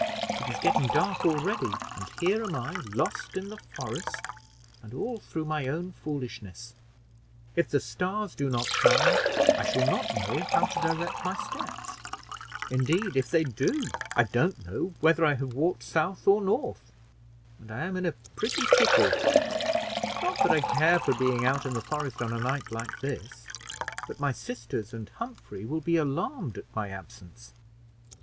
It is getting dark already, and here I am lost in the forest, and all through my own foolishness. If the stars do not shine, I shall not know how to direct my steps; indeed, if they do, I don't know whether I have walked south or north, and I am in a pretty pickle; not that I care for being out in the forest on a night like this, but my sisters and Humphrey will be alarmed at my absence.